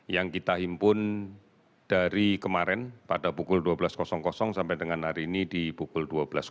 yang kita himpun dari kemarin pada pukul dua belas sampai dengan hari ini di pukul dua belas